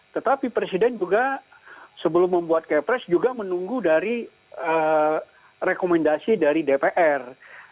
tetapi presiden juga sebelum membuat kepres juga menunggu dari rekomendasi dari dpr